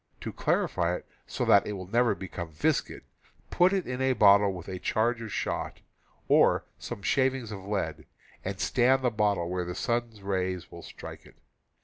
To clarify it so that it will never become viscid, put it in a bottle with a charge of shot, or some shavings of lead, and stand the bottle where the sun's rays will strike it.